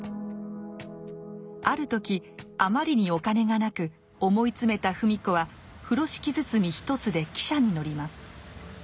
ある時あまりにお金がなく思い詰めた芙美子は風呂敷包み一つで汽車に乗ります。